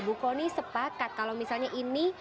bu kony sepakat kalau misalnya ini